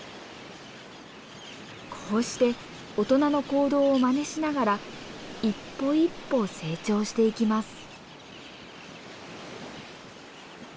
こうして大人の行動をまねしながら一歩一歩成長していきます。